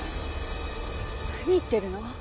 何言ってるの？